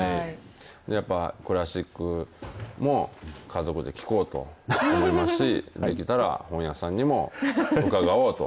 やっぱりクラシックも家族で聞こうと思いますし行けたら本屋さんにも伺おうと。